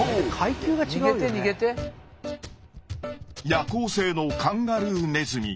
夜行性のカンガルーネズミ。